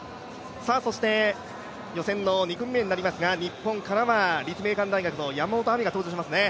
そして予選の２組目になりますが、日本からは立命館大学の山本亜美が登場しますね。